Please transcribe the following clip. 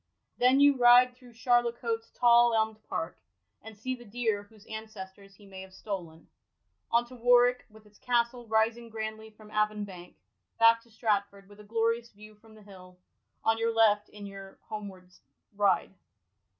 Then you ride through Charlecote*s tall elmd park, and see the deer whose ancestors he may have stolen ; on to Warwick, with its castle rising grandly from Avon bank ; back to Stratford, with a glorious view from the hill, on your left in your home ward ride.